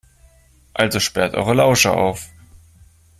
Also sperrt eure Lauscher auf!